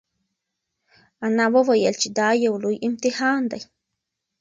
انا وویل چې دا یو لوی امتحان دی.